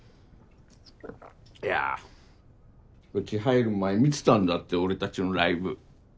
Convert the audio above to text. いやぁウチ入る前見てたんだって俺達のライブ。